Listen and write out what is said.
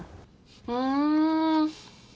うん。